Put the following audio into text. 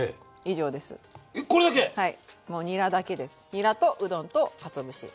にらとうどんとかつお節。